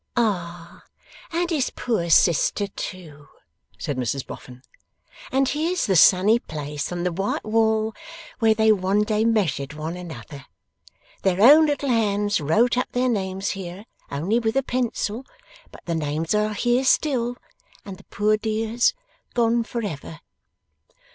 'Ah! And his poor sister too,' said Mrs Boffin. 'And here's the sunny place on the white wall where they one day measured one another. Their own little hands wrote up their names here, only with a pencil; but the names are here still, and the poor dears gone for ever.